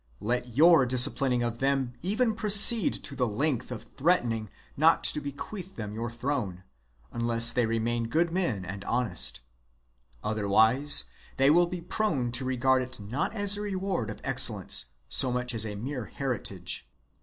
Let your dis ciplining of them even proceed to the length of threatening not to bequeath them your throne, unless they remain good men and honest ; otherwise they will be prone to regard it not as a reward of excellence so much as a mere heritage.